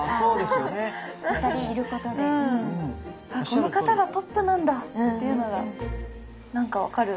この方がトップなんだっていうのが何か分かる。